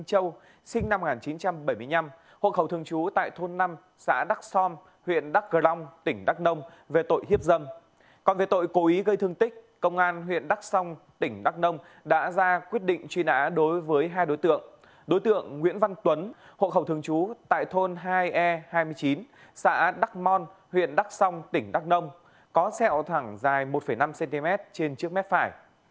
hội khẩu thường chú tại thôn hai e hai mươi chín xã đắc mon huyện đắc song tỉnh đắc nông có xeo thẳng dài một năm cm trên trước mép phải